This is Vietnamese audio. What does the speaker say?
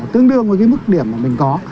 tương đương với cái mức điểm mà mình có